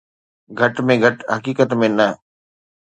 گهٽ ۾ گهٽ حقيقت ۾ نه.